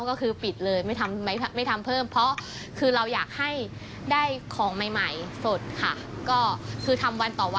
ก็คือปิดเลยไม่ทำเพิ่ม